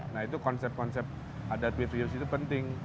nah itu konsep konsep adaptive reuse itu penting